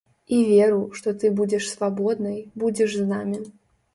І веру, што ты будзеш свабоднай, будзеш з намі.